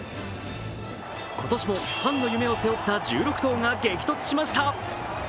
今年もファンの夢を背負った１６頭が激突しました。